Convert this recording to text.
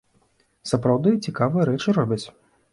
Сапраўды цікавыя рэчы робяць.